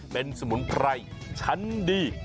เป็นสมุนไพรชั้นดี